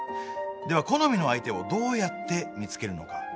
では好みの相手をどうやって見つけるのか？